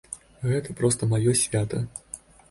Гэта проста маё свята.